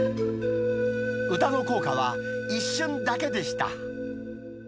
歌の効果は、一瞬だけでした。